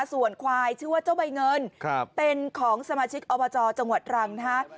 ส่วนควายชื่อว่าเจ้าใบเงินเป็นของสมาชิกอบจจังหวัดรังนะฮะ